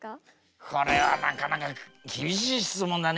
これはなかなか厳しい質問だね